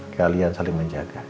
kalian saling menjaga